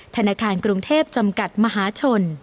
ธนาคารกรุงเทพจำกัดมหาชน